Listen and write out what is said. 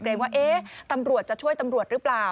ว่าตำรวจจะช่วยตำรวจหรือเปล่า